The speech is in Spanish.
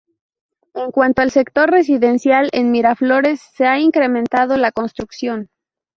En cuanto al sector residencial, en Miraflores se ha incrementado la construcción.